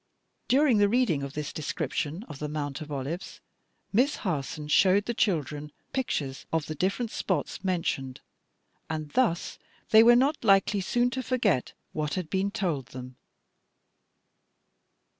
'" During the reading of this description of the Mount of Olives, Miss Harson showed the children pictures of the different spots mentioned, and thus they were not likely soon to forget what had been told them.